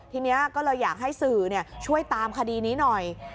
ทีนี้ก็เลยอยากให้สื่อช่วยตามคดีนี้หน่อย